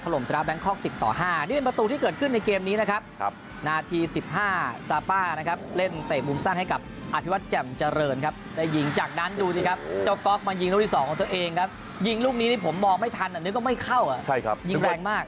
ลูกนี้ผมมองไม่ทันนึกว่าไม่เข้ายิงแรงมาก